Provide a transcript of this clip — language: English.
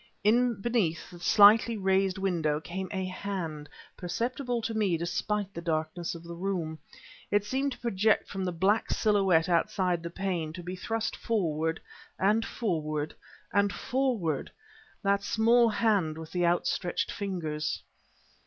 In beneath the slightly raised window came a hand, perceptible to me despite the darkness of the room. It seemed to project from the black silhouette outside the pane, to be thrust forward and forward and forward... that small hand with the outstretched fingers.